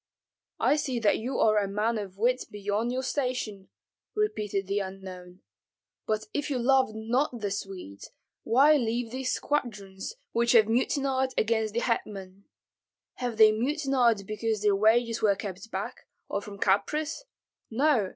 "I see that you are a man of wit beyond your station," repeated the unknown. "But if you love not the Swedes, why leave these squadrons, which have mutinied against the hetman? Have they mutinied because their wages were kept back, or from caprice? No!